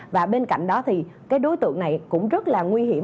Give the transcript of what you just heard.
và bên cạnh đó thì cái đối tượng này cũng rất là nguy hiểm